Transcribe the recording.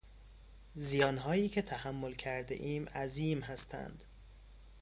زیانهایی که تحمل کردهایم عظیم هستند.